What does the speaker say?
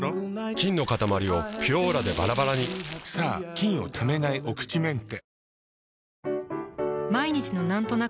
菌のかたまりを「ピュオーラ」でバラバラにさぁ菌をためないお口メンテ。